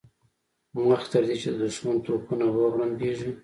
مخکې تر دې چې د دښمن توپونه وغړمبېږي.